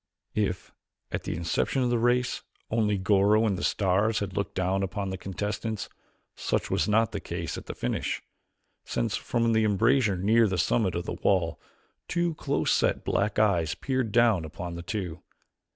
If, at the inception of the race, only Goro and the stars had looked down upon the contestants, such was not the case at its finish, since from an embrasure near the summit of the wall two close set black eyes peered down upon the two.